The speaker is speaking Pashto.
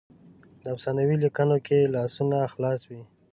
د افسانو لیکلو کې لاسونه خلاص وي.